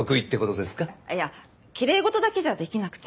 いやきれい事だけじゃできなくて。